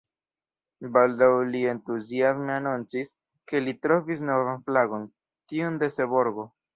Baldaŭ li entuziasme anoncis, ke li trovis novan flagon: tiun de Seborgo.